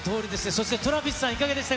そしてトラヴィスさん、いかがでした？